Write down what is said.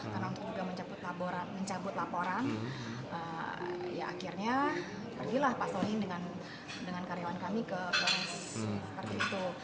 karena untuk mencabut laporan ya akhirnya pergilah pak solihin dengan karyawan kami ke polis